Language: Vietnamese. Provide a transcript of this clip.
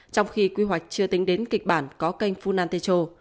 trong khi quy hoạch chưa tính đến kịch bản có canh funatecho